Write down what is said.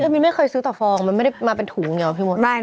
มีใครซื้อต่อฟองมันไม่ได้มาเป็นถุงเหรอพี่โมน